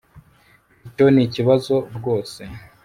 icyo nikibazo rwose